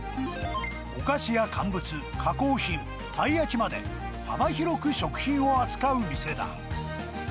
お菓子や乾物、加工品、たい焼きまで、幅広く食品を扱う店だ。